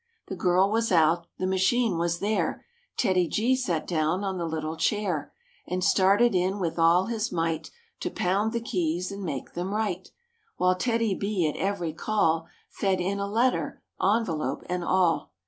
The girl was out; the machine was there; TEDDY G sat down on the little chair And started in with all his might To pound the keys and make them write; While TEDDY B at every call Fed in a letter, envelope and all.